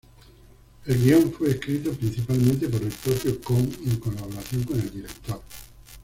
El guion fue escrito principalmente por el propio Kon en colaboración con el director.